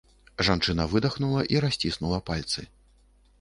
Жанчына выдахнула і расціснула пальцы.